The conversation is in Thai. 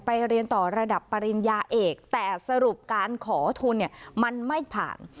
เรียนต่อระดับปริญญาเอกแต่สรุปการขอทุนเนี่ยมันไม่ผ่าน